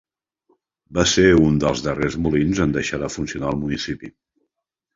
Va ser uns dels darrers molins en deixar de funcionar al municipi.